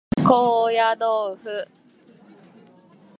高野豆腐